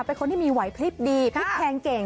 เป็นคนที่มีไหวพลิบดีพลิกแพงเก่ง